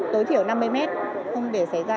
tối thiểu năm mươi mét không để xảy ra